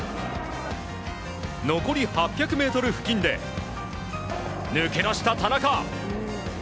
残り８００ｍ付近で抜け出した田中！